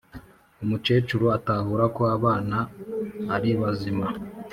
umukecuru atahura ko abana aribazima